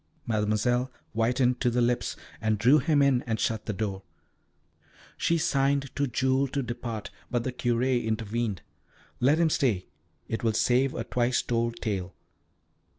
Mademoiselle whitened to the lips, and drew him in and shut the door. She signed to Jules to depart, but the Curé intervened. "Let him stay. It will save a twice told tale.